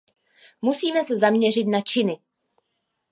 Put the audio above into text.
Musíme se zaměřit na činy.